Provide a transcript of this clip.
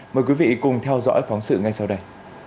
mời quý vị cùng theo dõi phóng sự ngay sau đây